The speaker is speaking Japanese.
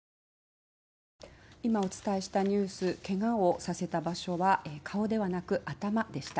今お伝えしたニュース怪我をさせた場所は顔ではなく頭でした。